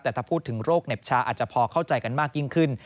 แต่ถ้าพูดถึงโรคเหน็บชาอาจจะพอเข้าใจกันมากยิ่งขึ้น